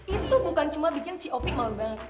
itu bukan cuma bikin si opi malu banget